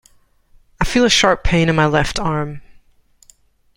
I feel a sharp pain in my left arm.